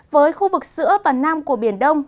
với khu vực giữa và nam của biển đông